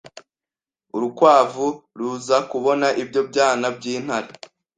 Urukwavu ruza kubona ibyo byana by'intare